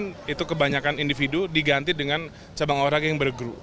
dan itu kebanyakan individu diganti dengan cabang olahraga yang ber group